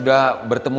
baik biar dulu